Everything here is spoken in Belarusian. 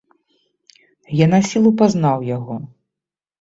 Я насілу пазнаў яго.